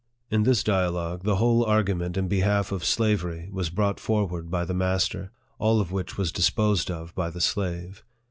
In this dialogue, the whole argument in behalf of slavery was brought forward by the master, all of which was disposed of by the slave.